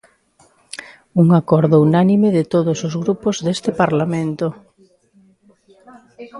Un acordo unánime de todos os grupos deste Parlamento.